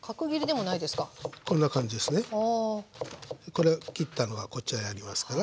これ切ったのがこちらにありますから。